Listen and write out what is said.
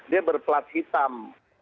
dia berplat hitam